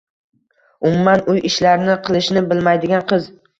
umuman uy ishlarini qilishni bilmaydigan qiz.